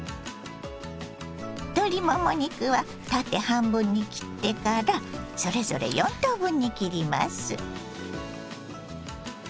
鶏もも肉は縦半分に切ってからそれぞれ４等分に切ります。